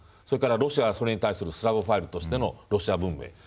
それからロシアはそれに対するスラヴォファイルとしてのロシア文明。